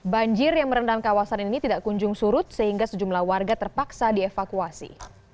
banjir yang merendam kawasan ini tidak kunjung surut sehingga sejumlah warga terpaksa dievakuasi